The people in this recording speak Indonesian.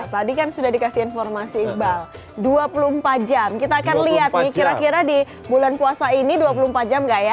tadi kan sudah dikasih informasi iqbal dua puluh empat jam kita akan lihat nih kira kira di bulan puasa ini dua puluh empat jam gak ya